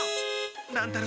乱太郎。